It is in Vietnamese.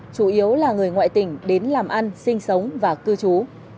chủ yếu là người ngoại tỉnh đến làm ăn sinh sống và cư trú